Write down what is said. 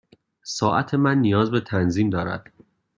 ساعت من نیاز به تنظیم دارد.